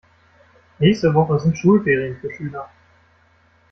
Nächste Woche sind Schulferien für Schüler.